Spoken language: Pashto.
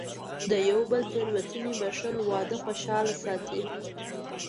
د یو بل تېروتنې بښل، واده خوشحاله ساتي.